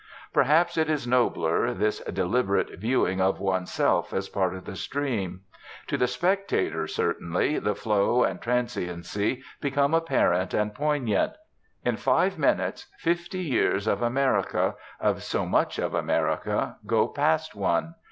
Perhaps it is nobler, this deliberate viewing of oneself as part of the stream. To the spectator, certainly, the flow and transiency become apparent and poignant. In five minutes fifty years of America, of so much of America, go past one.